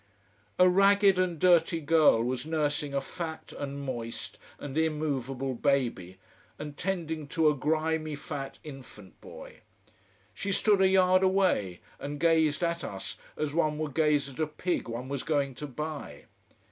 A ragged and dirty girl was nursing a fat and moist and immovable baby and tending to a grimy fat infant boy. She stood a yard away and gazed at us as one would gaze at a pig one was going to buy.